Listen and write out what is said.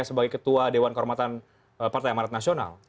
sebagai ketua dewan kehormatan partai amarat nasional